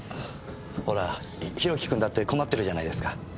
ほら博貴君だって困ってるじゃないですか。